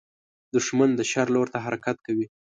دښمن د شر لور ته حرکت کوي